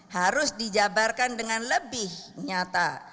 harus dijabarkan dengan lebih nyata